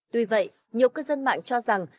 tuy vậy nhiều cư dân mạng cho rằng